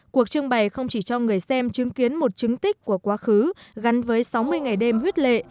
cuộc trưng bày không chỉ cho người xem chứng kiến một chứng tích của quá khứ gắn với sáu mươi ngày đêm huyết lệ